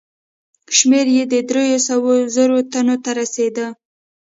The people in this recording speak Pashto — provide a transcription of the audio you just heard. شمېر یې دریو سوو زرو تنو ته رسېدی.